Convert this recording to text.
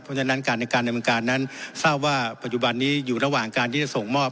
เพราะฉะนั้นการอำนวยงานนั้นสาวว่าปัจจุบันนี้อยู่ระหว่างการที่จะส่งมอบ